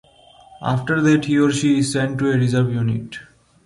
After that, he or she is sent to a reserve unit.